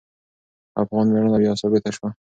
افغان میړانه بیا ثابته شوه.